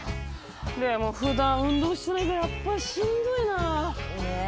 でもふだん運動してないからやっぱりしんどいな！ね。